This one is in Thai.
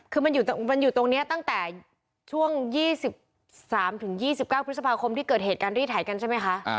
คือมันอยู่ตรงนี้ตั้งแต่ช่วง๒๓๒๙พภทที่เกิดเหตุการณ์รีบแถบใช่มั้ยคะ